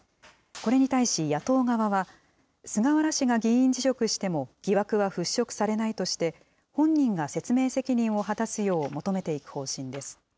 これに対し野党側は、菅原氏が議員辞職しても疑惑は払拭されないとして、本人が説明責任を果たすよう求めていく方針です。